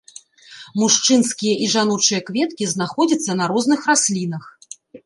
Мужчынскія і жаночыя кветкі знаходзяцца на розных раслінах.